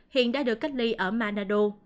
hiện đã được cách ly ở manado